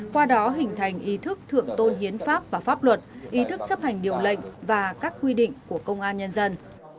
qua đó hình thành ý thức thượng tôn hiến pháp và pháp luật ý thức chấp hành điều lệnh và các quy định của công an nhân dân